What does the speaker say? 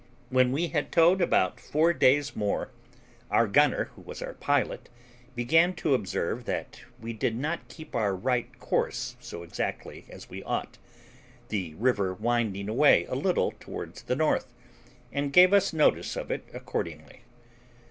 When we had towed about four days more, our gunner, who was our pilot, began to observe that we did not keep our right course so exactly as we ought, the river winding away a little towards the north, and gave us notice of it accordingly.